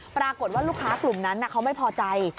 ปรากฏว่าลูกค้ากลุ่มนั้นเขาไม่พอใจ